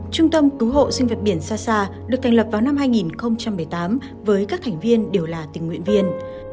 trung tâm cứu hộ sinh vật biển xasa được thành lập vào năm hai nghìn một mươi tám với các thành viên đều là tình nguyện viên